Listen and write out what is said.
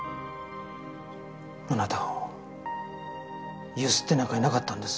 あなたをゆすってなんかいなかったんです